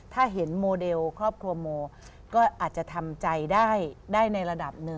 ถ้าเห็นโมเดลครอบครัวโมก็อาจจะทำใจได้ในระดับหนึ่ง